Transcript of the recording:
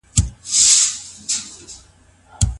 جاهلي خلګو له ښځو سره څنګه سلوک کاوه؟